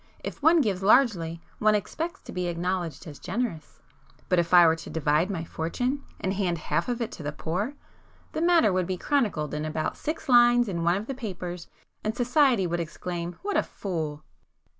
If one gives largely, one expects to be acknowledged as generous,—but if I were to divide my fortune, and hand half of it to the poor, the matter would be chronicled in about six lines in one of the papers, and society would exclaim 'What a fool!